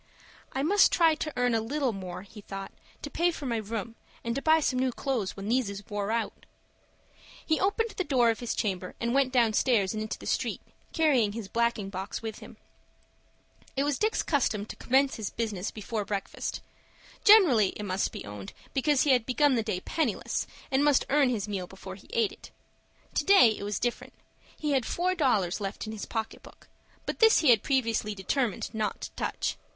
"I must try to earn a little more," he thought, "to pay for my room, and to buy some new clo'es when these is wore out." He opened the door of his chamber, and went downstairs and into the street, carrying his blacking box with him. It was Dick's custom to commence his business before breakfast; generally it must be owned, because he began the day penniless, and must earn his meal before he ate it. To day it was different. He had four dollars left in his pocket book; but this he had previously determined not to touch.